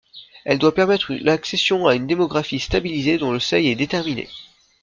Elle doit permettre l'accession à une démographie stabilisée dont le seuil est déterminé.